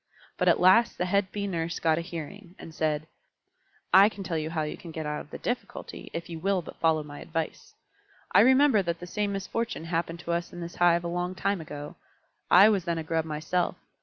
But at last the head Bee Nurse got a hearing, and said, "I can tell you how you can get out of the difficulty, if you will but follow my advice. I remember that the same misfortune happened to us in this hive a long time ago. I was then a Grub myself.